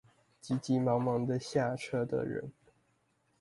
急急忙忙地下車的人